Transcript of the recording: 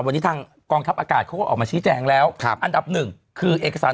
วันนี้ทางกองทัพอากาศเขาก็ออกมาชี้แจงแล้วครับอันดับหนึ่งคือเอกสาร